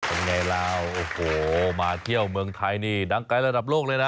เป็นไงล่ะโอ้โหมาเที่ยวเมืองไทยนี่ดังไกลระดับโลกเลยนะ